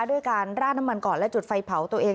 ด้วยการราดน้ำมันก่อนและจุดไฟเผาตัวเอง